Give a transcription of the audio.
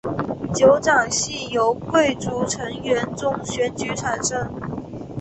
酋长系由贵族成员中选举产生。